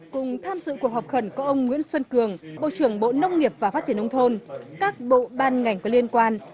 cùng tham dự cuộc họp khẩn có ông nguyễn xuân cường bộ trưởng bộ nông nghiệp và phát triển nông thôn các bộ ban ngành có liên quan